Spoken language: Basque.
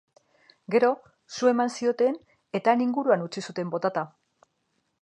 Gero, su eman zioten eta han inguruan utzi zuten botata.